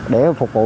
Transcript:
để phục vụ